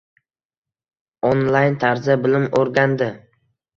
Onlayn tarzda bilim oʻrgandi.